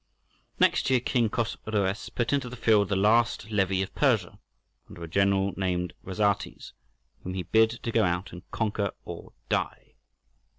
Next year King Chosroës put into the field the last levy of Persia, under a general named Rhazates, whom he bid to go out and "conquer or die."